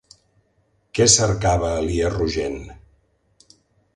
Què cercava Elies Rogent?